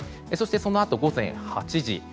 そして、そのあと午前８時。